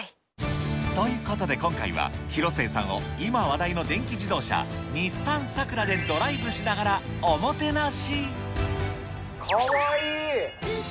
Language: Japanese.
ということで今回は、広末さんを今話題の電気自動車、日産サクラでドライブしながらおもてなし。